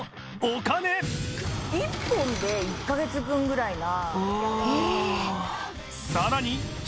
１本で１か月分ぐらいな。